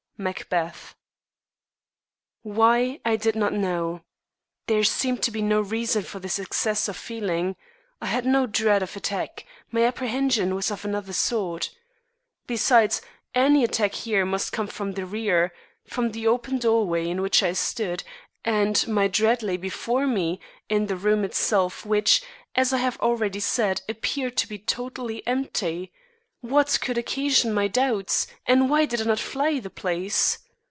Macbeth. Why, I did not know. There seemed to be no reason for this excess of feeling. I had no dread of attack; my apprehension was of another sort. Besides, any attack here must come from the rear from the open doorway in which I stood and my dread lay before me, in the room itself, which, as I have already said, appeared to be totally empty. What could occasion my doubts, and why did I not fly the place?